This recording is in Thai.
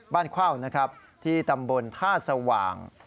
เข้านะครับที่ตำบลท่าสว่าง